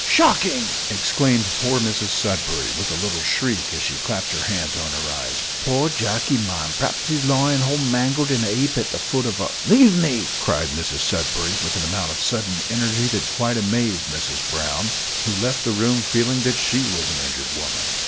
"Shocking!" exclaimed poor Mrs Sudberry, with a little shriek, as she clapped her hands on her eyes. "Poor Jacky, ma'am, p'raps 'e's lyin' hall in a mangled 'eap at the foot of a " "Leave me!" cried Mrs Sudberry, with an amount of sudden energy that quite amazed Mrs Brown, who left the room feeling that she was an injured woman.